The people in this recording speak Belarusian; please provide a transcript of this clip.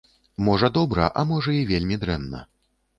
Можа добра, а можа і вельмі дрэнна.